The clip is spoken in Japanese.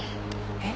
えっ？